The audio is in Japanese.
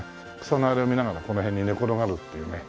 あれを見ながらこの辺に寝転がるっていうね